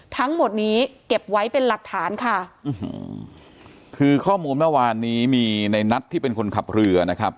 ทั้งหมดนี้เก็บไว้เป็นหลักฐานค่ะคือข้อมูลเมื่อวานนี้มีในนัทที่เป็นคนขับเรือนะครับ